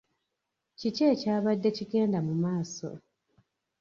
Kiki ekyabadde kigenda mu maaso?